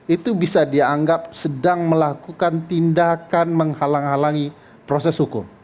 itu bisa dianggap sedang melakukan tindakan menghalang halangi proses hukum